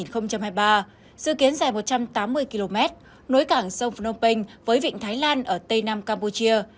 dự kiến dài một trăm tám mươi km nối cảng sông phnom penh với vịnh thái lan ở tây nam campuchia